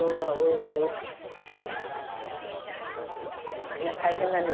これが大変なのよ。